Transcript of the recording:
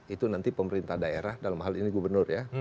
itu nanti pemerintah daerah dalam hal ini gubernur ya